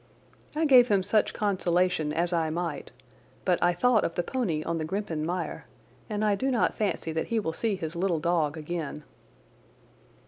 I gave him such consolation as I might, but I thought of the pony on the Grimpen Mire, and I do not fancy that he will see his little dog again.